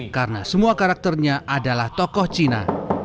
karena semua karakternya adalah tokoh cina